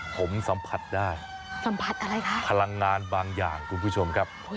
ผมสัมผัสได้สัมผัสอะไรคะพลังงานบางอย่างคุณผู้ชมครับ